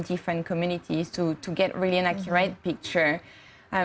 dari komunitas yang berbeda untuk mendapatkan gambar yang benar benar benar